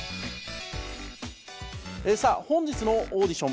さあ本日のオーディション